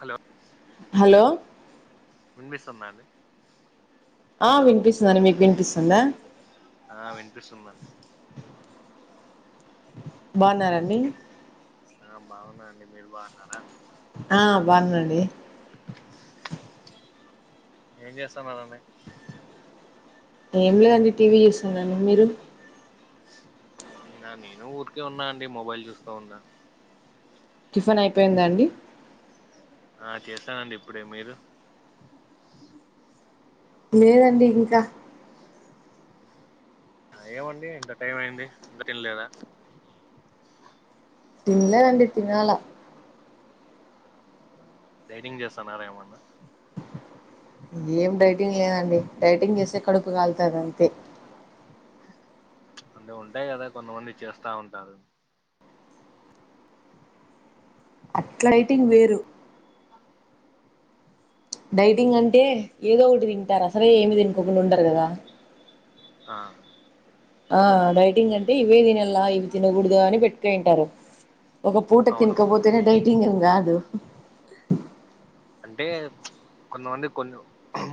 Hello hello వినిపిస్తుందా అండి ఆ వినిపిస్తుందండి మీకు వినిపిస్తుందా ఆ వినిపిస్తుందండి బావున్నారండి ఆ బావున్నాండి మీరు బాగున్నారా ఆ బాన్నండి ఏం చేస్తా ఉన్నదామే. ఏం లేదండి టీవీ చూస్తున్నాను మీరు. నేనా. నేను ఊరికే ఉన్నా అండి మొబైల్ చూస్తా ఉన్నా. టిఫిన్ అయిపోయిందా అండి. ఆ చేసానండి ఇప్పుడే మీరు. లేదండి ఇంకా. ఏవండి ఇంత టైం అయింది. ఇంకా తిన్లేదా. తిన్లే అండి తినాలా. డైటింగ్ చేస్తన్నారా ఏమన్నా. ఏం డైటింగ్ లే అండి డైటింగ్ చేస్తే కడుపు కాలుతది అంతే. అ అంటే ఉంటాయి కదా. కొంతమంది చేస్తా ఉంటారు. అట్లాటింగ్ వేరు. డైటింగ్ అంటే ఏదో ఒకటి తింటారు. అసలే ఏమి తినుకోకుండా ఉండరు కదా. ఆ. ఆ డైటింగ్ అంటే. ఇవే తినల్లా ఇవి తినకూడదు అని పెట్టుకొని ఉంటారు. ఒక పూట అవునవును తినకపోతేనే డైటింగ్ ఏం కాదు. అంటే కొంతమంది. కొన్ని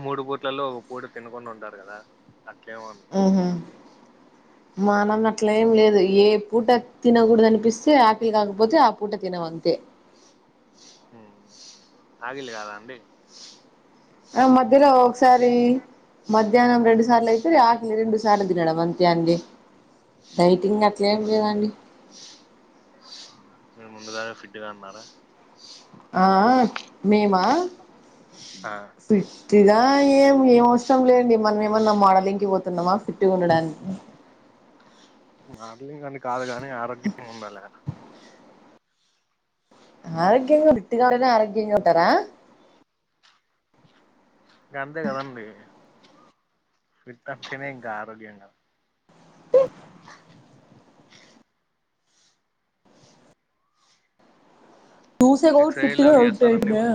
మూడు పూట్లలో ఒక పూట తినకుండా ఉంటారు కదా. అట్లేమో అని. మా అన్న అన్నట్లే. అట్లా ఏం లేదు. ఏ పూట తినకూడదు అనిపిస్తే ఆకలి కాకపోతే ఆ పూట తినము అంతే. ఊ ఆదిల్లు కాదా అండి. ఆ మధ్యలో ఒకసారి. మధ్యాహ్నం రెండు సార్ల అయితది. ఆకలి రెండు సార్లు తినడం అంతే. అండి డైటింగ్ అట్లా ఏం లేదండి. మీరు ముందుగా ఫిట్ గా ఉన్నారా. ఆ మేమా. ఆ ఫిట్టుగా ఏం ఏం అవసరం లేండి. మన ఏమన్నా మోడలింగ్కి పోతున్నామా ఫిట్టుగా ఉండడానికి. మోడలింగ్ అని కాదు కని ఆరోగ్యంగా ఉండాలే కదా. ఆరోగ్యంగా ఫిట్టుగా ఉంటేనే ఆరోగ్యంగా ఉంటారా. అంతే కదండీ ఫిట్ అత్తెనే ఇంకా ఆరోగ్యాంగా. [inaudible] దూసేగౌట్ ఎక్సర్సైజ్లు ఫిట్టుగా అవి అవుట్ చేస్తారండి అయిందా. మీరు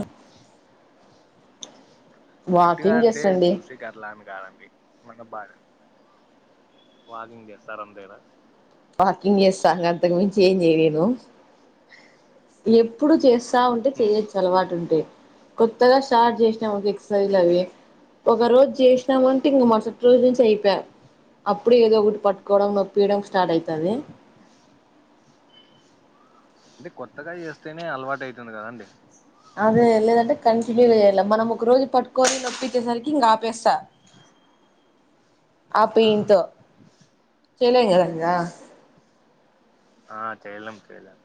ఫిట్ గా వాకింగ్ అంటే చేస్తాండి చూసే. కేరళ ఆమె కాదండి. మన భారత్ వార్నింగ్ చేస్తారంతెన. వాకింగ్ చేస్తా అండి అంతకు మించి ఏం చేయలేను. ఎప్పుడు చేస్తా. స్తా ఉంటే ఉమ్ చెయొచ్చు అలవాటు ఉంటాయ్. కొత్తగా స్టార్ట్ చేసినమ్ అనుకో ఎక్ససైజు లు అవీ. ఒక రోజు చేసినం అంటే ఇంకా మరుసటి రోజు నుంచి అయిపాయ్. అప్పుడే ఏదో ఒకటి పట్టుకోవడం నొప్పియడం స్టార్ట్ అయితది. అంటే కొత్తగా చేస్తేనే అలవాటైతుంది కదా అండి. అదే లేదంటే కంటిన్యూ చేయాలా మనం ఒక రోజు పట్టుకొని నొప్పి అచ్చేసరికి ఇంకా ఆపేస్తా. [inaudible] ఆపు ఆ ఈంతో చేయలేం కదా అండి ఆ. ఆ చేయలేం చేయలేం.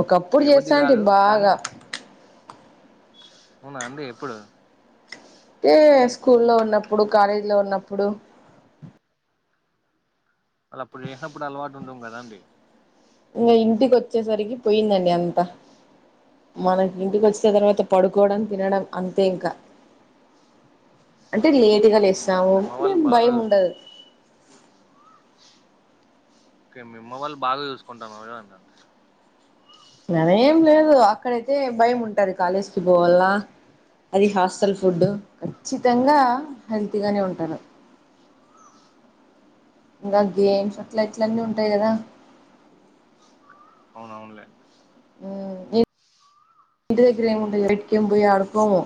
ఒకప్పుడు చేయబుద్ధి కాదు చేస్తాంటీమీ కానీ బాగా. అవునా అండి ఎప్పుడు హ్మ్ స్కూల్లో ఉన్నప్పుడు కాలేజ్ లో ఉన్నప్పుడు అలా అప్పుడు చేసినప్పుడు అలవాటు ఉండం కదా అండి మీ ఇంటికి వచ్చేసరికి పోయిందండి అంతా మనకి ఇంటికి వచ్చిన తర్వాత పడుకోవడం తినడం అంతే ఇంకా అంటే లేటుగా లేసాము మీ అమ్మ అనే వాళ్ళు బాగా భయం చూసుకుంట ఉండదు ఓకే మీ అమ్మా వాళ్ళు బాగా చూసుకుంటాన్నారా అంటన్నా అలా ఏం లేదు అక్కడైతే భయం ఉంటది కాలేజ్ కి పోవాల్ల అది హాస్టల్ ఫుడ్ ఖచ్చితంగా హెల్తీ గానే ఉంటారు [inaudible] ఇంకా గేమ్స్ అట్లా ఇట్ల అన్నీ ఉంటాయి కదా అవును అవునులే హ్మ్ ఇప్ మీ ఇంటి దగ్గర ఏముంటాయి బయటికి పోయి ఆడుకోము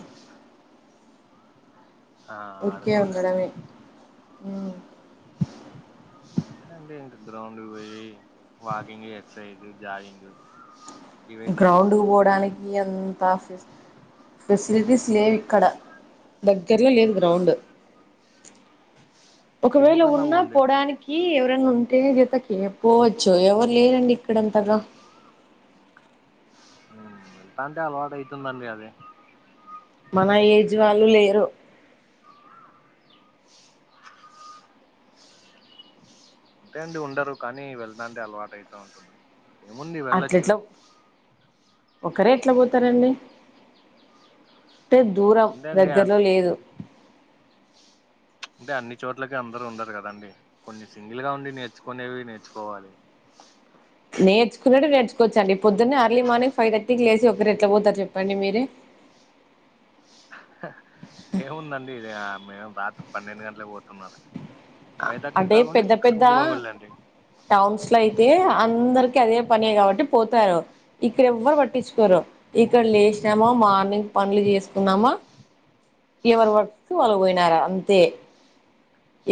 ఆ ఊరికే ఆడుకోలేము ఉండడమే హ్మ్ అండి ఇంటి గ్రౌండ్ పోయి వాకింగ్ ఎక్సర్సైజ్ జాగింగ్ ఇవే చేయాలి గ్రౌండ్ కి పోవడానికి అంతా ఫెసిలిటీస్ లేవు ఇక్కడ దగ్గరలో లేదు గ్రౌండ్ [inaudible] ఒకవేళ కన్నా ఉన్నా పోండి పోవడానికి ఎవరన్నా ఉంటే జతకి పోవచ్చు ఎవరు లేరండి ఇక్కడ అంతగా వెళ్తా అంటే అలవాటు అవుతుందండి అదే మన ఏజ్ వాళ్ళు లేరు అంతే అండి ఉండరు కానీ వెళ్తాంటే అలవాటు అయితా ఉంటుంది ఏముంది వెళ్ళొచ్చు అట్లేట్ల ఒకరే ఎట్లా పోతారండి అంటే దూరం అంతే అండి దగ్గరలో అంటే లేదు ప్చ్ అంటే అన్ని చోట్లకి అందరు ఉండరు కదండి కొన్ని సింగిల్ గా ఉండి నేర్చుకునేవి నేర్చుకోవాలి నేర్చుకునేటివి నేర్చుకోవచ్చండి పొద్దున్నే ఎర్లీ మార్నింగ్ ఫైవ్ థర్టీకి లేసి ఒకరు ఎట్లా పోతారు చెప్పండి మీరే ఏముందండి ఇది మేము రాత్రి పన్నెండు గంటలకు పోతున్నారు ఫైవ్ థర్టీకి అంటే కాకుండా పెద్ద సిక్స్ పెద్ద కి పోవళ్ళండి టౌన్స్ లో అయితే అందరికి అదే పని కాబట్టి పోతారు ఇక్కడ ఎవ్వరు పట్టించుకోరు ఇక్కడ లేసినామా మార్నింగ్ పనులు చేసుకున్నామా ఎవరు వర్క్ కు వాళ్ళు పోయినారా అంతే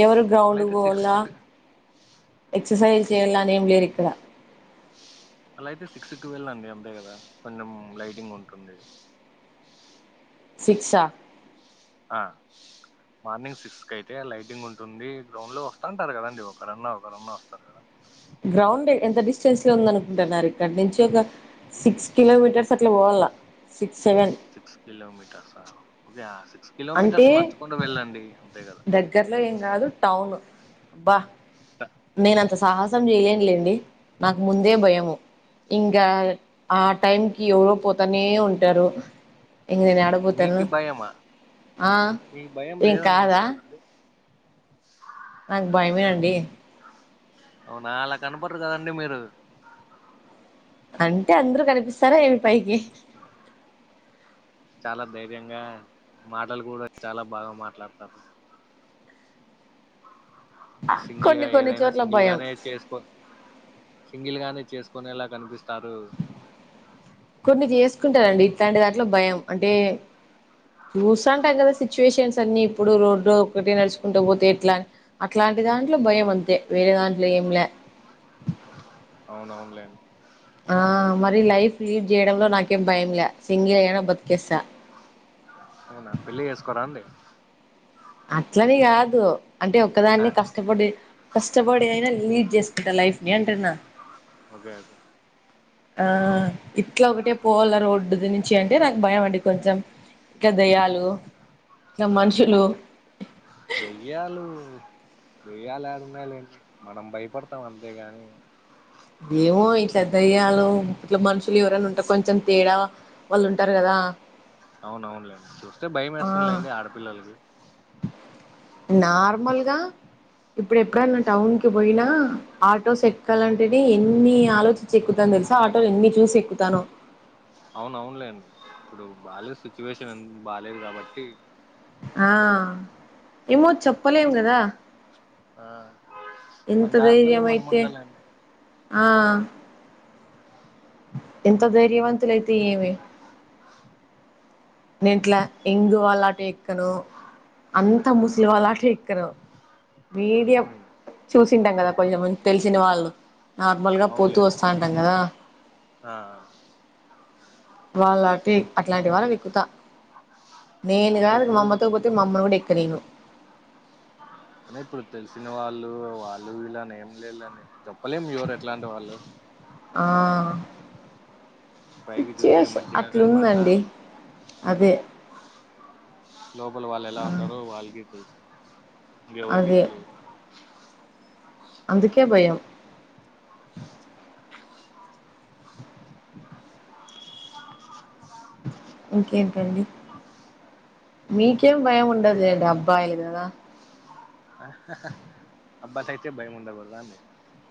ఎవరు అలా గ్రౌండ్ కు అయితే పోవాళ్ళ సిక్స్ ఎక్సర్సైజ్ చేయాళ్లా అని ఏం లేదు ఇక్కడ అలా అయితే సిక్స్ టు వెళ్ళండి అంతే కదా కొంచెం లైటింగ్ ఉంటుంది సిక్స్ ఆ ఆ మార్నింగ్ సిక్స్ కి అయితే లైటింగ్ ఉంటుంది గ్రౌండ్ లో వస్తంటారు కదండి ఒకరన్నా ఒకరన్నా వస్తారు కదా గ్రౌండ్ ఎంత డిస్టెన్స్ లో ఉంది అనుకుంటున్నారు ఇక్కడ నుంచి ఒక సిక్స్ కిలోమీటర్స్ అట్లా పోవాళ్లా సిక్స్ సెవెన్ సిక్స్ కిలోమీటర్సా ఓకే ఆ సిక్స్ అంటే కిలోమీటర్స్ నచ్చకుండా వెళ్ళండి అంతే కదా దగ్గరలో ఏం కాదు టౌను బ్బా [unintelligible] నేను అంత సాహసం చేయలేను లేండి నాకు ముందే భయము ఇంకా ఆ టైం కి ఎవరో పోతానే ఉంటారు ఇక నేను యాడ పోతాను మీకు భయమా ఆ మీకు భయం ఏం కాదా లేదనుకుంటా కదండి నాక్ భయమే అండి అవునా అలా కనపడ్రు కదండి మీరు అంటే అంద్రూ కనిపిస్తారా ఏమి పైకి చాలా ధైర్యంగా మాటలు కూడా చాలా బాగా మాట్లాడతారు సింగిల్ కొన్ని గా కొన్ని ఏదైనా చోట్ల సింగిల్ భయం గానే చేసుకోన్ సింగిల్ గానే చేసుకునేలా కనిపిస్తారు కొన్ని జేసుకుంటరండి ఇట్లాంటి దాంట్లో భయం అంటే చూస్తాన్టాం కదా సిచ్యువేషన్స్ అన్ని ఇప్పుడు రోండు ఒకట నడుచుకుంటూ పోతే ఎట్లా అట్లాంటి దాంట్లో భయం అంతే వేరే దాంట్లో ఏం లే అవునవున్లే ఆ మరి లైఫ్ లీడ్ చేయడంలో నాకేం భయం లే సింగిల్ అయినా బతికేస్తా అవునా పెళ్ళి చేసుకోరా అండి అట్లని గాదు అంటే ఆ, ఒక్కదాన్ని క చెప్పండి కష్టపడి అయినా లీడ్ చేసుకుంటా లైఫ్ ని అంటున్న ఓగే అయితే ఆ ఇట్లా ఒకటే పోవాల్ల రోడ్డు నుంచి అంటే నాకు భయం అండి కొంచెం ఇంకా దయ్యాలు ఇట్ల మనుషులు దయ్యాలు [unintelligible] మనం భయపడతాం అంతేగాని ఇమో ఇట్లా దయ్యాలో ఇట్లా మనుషులు ఎవరైనా ఉంటే కొంచెం తేడా వాళ్ళుంటారు గదా అవున అవునులేండి చూస్తే భయం వేస్తుందిలేండి ఆడపిల్లల్కి నార్మల్గా ఇప్పుడ్ ఎక్కడన్నా టౌన్ కి బొయ్యినా ఆటోసెట్కాలంటేనే ఎన్ని ఆలోచి చి ఎక్కుతాన్ దెల్స ఆటోలెన్ని చూసి ఎక్కుతానో అవునవున్లేండి ఇప్పుడు బాగాలేదు సిచ్యువేషన్ బాలేదు కాబట్టి ఆ ఏమో చెప్పలేం గదా ఆ మన ఎంత జాగ్రత్తలో ధైర్యం మనం అయితే ఉండాలండి ఆ ఎంత ధైర్యవంతులయితే ఏమి నే ఇట్లా ఎంగువలాటొక్కను అంతా ముస్లి వాళ్ల అటేక్కెను మీడియం ఉమ్, చూసింటాం కదా కొంచెం తెలిసిన వాళ్ళు నార్మల్గా పోతూ అవునులేండి వస్తాంటాం గదా ఆ వాళ్ళటి అట్లాంటి వాళ్ళ మిక్కుతా నేను అయినా గాదు మ ఇప్పుడు అమ్మతోబొ మమ్మ కూడా ఎక్కనిను అనే ఇప్పుడు తెలిసిన వాళ్ళు వాళ్ళు వీళ్ళు అనేం లేద్ లెండి చెప్పలేము ఎవరు ఎట్లాంటి వాళ్ళు ఆ పైకి చూసే సిచువేషన్ మంచిగా కనపడినా అట్లుందండి అదే లోపల వాళ్ళు ఎలా ఉంటారో వాళ్ళకి తెలుసు ఇంకెవరికి అదే తెలియదు అందుకే భయం ఇంకేంటండి మీకేం ఉమ్, భయం ఉండదులేండి అబ్బాయిలు గదా అబ్బాయి కైతే బయముండ కూడ దాండి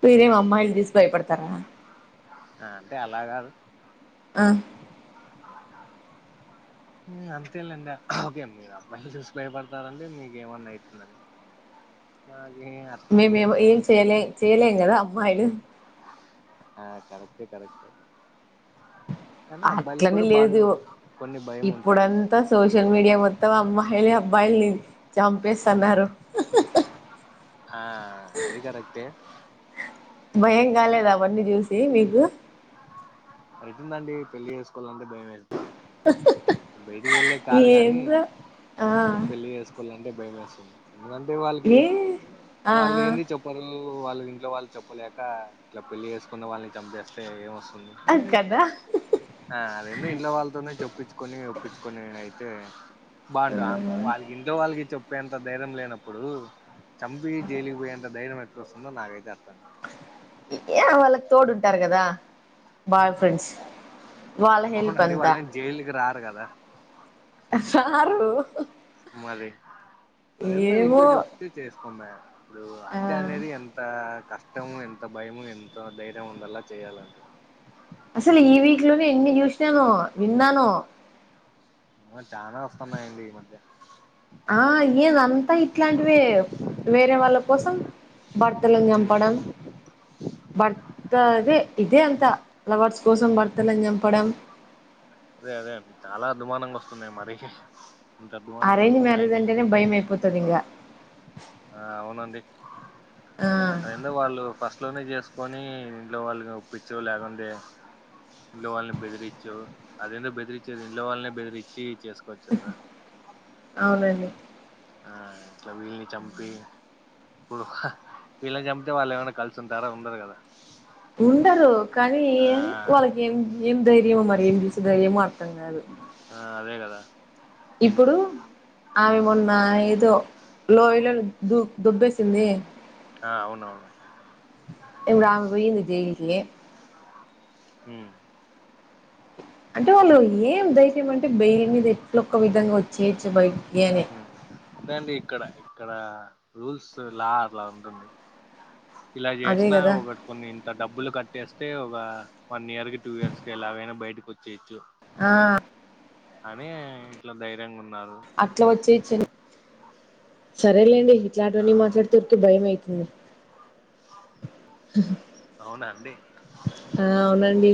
మీరేమీ అమ్మాయిలను చూసి భయపడతారా ఆ అంటే అలాగాదు ఆ ఉమ్మ్ అంతేలేండి ఓకే మీరు అమ్మాయిలను చూసి భయపడతారంటే మీకేమన్నా అయితుందని నాకి మేమేమో ఏం చేయలే చేయలేం కదా అమ్మాయిలు ఆ కరెక్టే కరెక్టే కానీ అబ్బాయిలకు అట్లని కూడా బానుం కొన్ని భయం ఉంటాది త్త సోషల్ మీడియా మొత్తం అమ్మాయిలే అబ్బాయిల్ని చంపేస్తాన్నారు ఆ అది కరెక్టే భయం కానీ కాలేదా అవన్నీ చూసి నీకు అయితుందండి పెళ్లి చేసుకోవాలంటే భయమే అయితుంది బయటికి వెళ్ళే కాదు గానీ ఏందో ఆ పెళ్లి చేసు కోవాలంటే భయమేస్తుంది ఎందుకంటే వాళ్ళకి ఏ ఆ వాళ్ళు ఏంది చె ప్పారు వాళ్ళు ఇంట్లో వాళ్ళు చెప్పలేక ఇట్లా పెళ్లి చేసుకున్న వాళ్ళని చంపేస్తే ఏం వస్తుంది అది కదా ఆ అదేందో ఇంట్ల వాళ్ళతోనే చొపిచ్చుకొనీ ఒప్పిచ్చికొనీ అయితే బాగుంటం వాళ్ళకి ఇంట్లో వాళ్ళకి చెప్పే అంత ధైర్యం లేనప్పుడు చంపి జైలుకి పోయేంత ధైర్యం ఎట్లోస్తుందో నాకైతే అర్థం క ఇ ఏ వాళ్ళకి తోడుంటారు కదా బాయ్ ఫ్రెండ్స్ వాళ్ళ హెల్ప్ అవునండి అంతా వాళ్లేం జైలుకి రారు గదా రారు మరి అదేందో ఏమో ఇంట్లో జెప్తే చేసుకుమా ఇప్పుడూ ఆ హత్య అనేది ఎంతా కష్టము ఎంత భయము ఎంత ధైర్యం ఉండలా చేయాలంటే అసలు ఈ వీక్ లోనే ఎన్ని జూషినానో విన్నానో అమ్మో చానా వస్తున్నాయండి ఈ మధ్య ఆ ఏది అంతా ఇట్లాంటివే వేరే వాళ్ళ కోసం భర్తలను ఉమ్ చంపడం భర్త అదే ఇదే అంతా లవర్స్ కోసం భర్తలను చంపడం అదే అదే అండి చాలా అధ్వానంగా వస్తున్నాయి మరి ఇంత అధ్వానంగా అరేంజ్ వస్తున్నాయని మ్యారేజ్ నేను అంటేనే కూడా భయం చూడ్లేదా అయిపోతది ఇంగ ఆ అవునండి ఆ అదేందో వాళ్ళు ఫ స్ట్ లోనే చేసుకొని ఇంట్లో వాళ్ళని ఒప్పించో లేకుండే ఇంట్లో వాళ్ళని బెదిరిచ్చో అదేందో బెదిరిచ్చేది ఇంట్లో వాళ్ళనే బెదిరిచ్చి చేసుకోవచ్చు కదా అవునండి ఆ ఇట్లా వీళ్ళ్ని చంపి ఇప్పుడు ఆహ వీళ్ళని చంపితే వాళ్ళు ఏమన్నా కలిసి ఉంటారా ఉండరు కదా ఉండరు కానీ ఆ ఏం వాళ్ళకి ఏం ఏం ధైర్యమో మరి ఏం జూసి ధైర్యమో అర్థం గాదు ఆ అదే కదా ఇప్పుడు ఏంటి ఆమె మొన్న ఏదో లోయలో దు దొబ్బేసిందే ఆ అవును ఇప్పుడు ఆమె పోయింది జైలుకి ఉమ్మ్ అంటే వాళ్ళు ఏం ధైర్యం అంటే బెయిల్ మీద ఎట్లొక్క విధంగా వచ్చేయచ్చు బయటికీ అని అదేండి ఇక్కడ ఇక్కడ రూల్స్ లా అలా ఉంటుంది ఇలా అదే జేష్నా కదా వరు కొన్ని ఇంత డబ్బులు కట్టేస్తే ఒగ వన్ ఇయర్ కి టూ ఇయర్స్ కి ఎలాగైనా బయటకి వచ్చేయచ్చు ఆ అనీ ఇట్లా ధైర్యంగా ఉన్నారు అట్లా వచ్చేచ్చని సరేలేండి ఆ ఇట్లాంటివన్నీ మాట్లాడితే ఉరికే భయం అయుతుంది అవున అండి ఆ అవునండి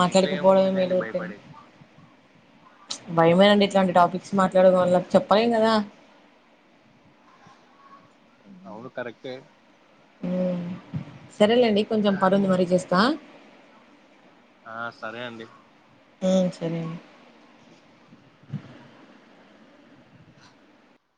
దీంట్లో ఏముందిలేండి భయపడేది భయమేనండి ఇట్లాంటి టాపిక్స్ మాట్లాడడం వాళ్ళకి చెప్పాలి కదా అవును కరెక్ట్ ఏ ఊ సరేలేండి కొంచెం కానీ పనుంది మరీ జేస్తా ఆ సరే అండి ఉ సరే అండి